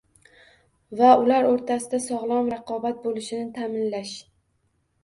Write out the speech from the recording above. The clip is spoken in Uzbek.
va ular o‘rtasida sog‘lom raqobat bo‘lishini ta’minlash.